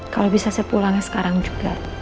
kalau bisa saya pulang sekarang juga